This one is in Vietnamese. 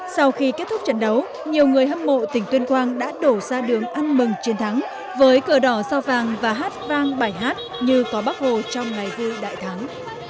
sau khi kết thúc trận đấu nhiều người hâm mộ tỉnh tuyên quang đã đổ ra đường ăn mừng chiến thắng với cờ đỏ sao vàng và hát vang bài hát như có bác hồ trong ngày vui đại thắng